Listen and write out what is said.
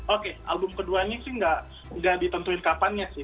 oke album kedua ini sih gak ditentuin kapannya sih